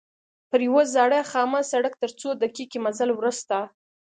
پر یوه زاړه خامه سړک تر څو دقیقې مزل وروسته.